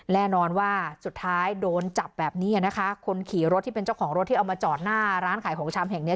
แน่นอนว่าสุดท้ายโดนจับแบบนี้นะคะคนขี่รถที่เป็นเจ้าของรถที่เอามาจอดหน้าร้านขายของชำแห่งนี้